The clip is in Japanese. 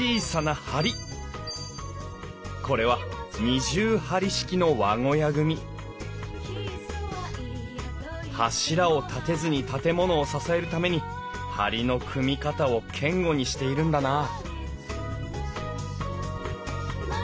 これは二重梁式の和小屋組柱を立てずに建物を支えるために梁の組み方を堅固にしているんだなあ